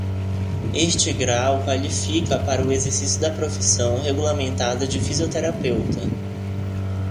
Este grau qualifica para o exercício da profissão regulamentada de fisioterapeuta.